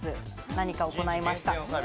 何か行いました